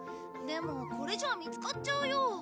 でもこれじゃあ見つかっちゃうよ。